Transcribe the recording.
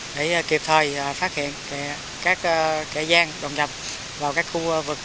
để kịp thời phát hiện các kẻ gian đồng nhập vào các khu vực nhà nuôi yến